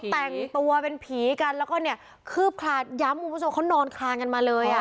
แต่งตัวเป็นผีกันแล้วก็เนี่ยคืบคลานย้ำคุณผู้ชมเขานอนคลานกันมาเลยอ่ะ